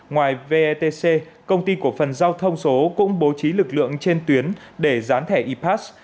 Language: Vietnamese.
ngoài vetc công ty cổ phần giao thông số cũng bố trí lực lượng trên tuyến để gián thẻ epass